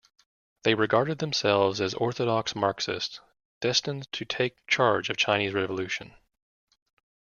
They regarded themselves as orthodox Marxists, destined to take charge of Chinese revolution.